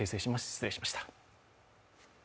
失礼しました。